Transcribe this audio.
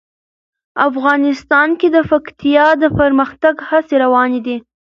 افغانستان کې د پکتیا د پرمختګ هڅې روانې دي.